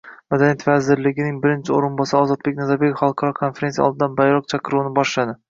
Madaniyat vazirining birinchi o'rinbosari Ozodbek Nazarbekov xalqaro konferentsiya oldidan "bayroq chaqiruvini" boshladi